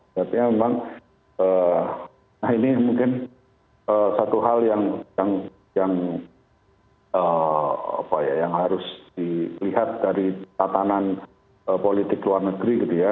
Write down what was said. berarti memang ini mungkin satu hal yang harus dilihat dari tatanan politik luar negeri gitu ya